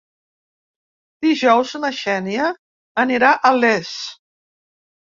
Dijous na Xènia anirà a Les.